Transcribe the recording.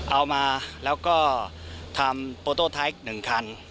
เอามาแล้วก็ทำโปโต้ท้าย๑คัน